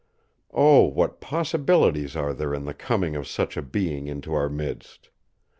Oh, what possibilities are there in the coming of such a being into our midst!